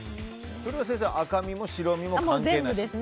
それは先生赤身も白身も関係なし？